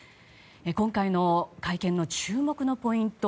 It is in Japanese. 今回の会見の注目のポイント